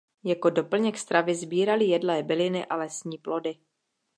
Jako doplněk stravy sbírali jedlé byliny a lesní plody.